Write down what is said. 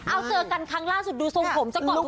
เอาเจอกันครั้งล่าสุดดูทรงผมซะก่อน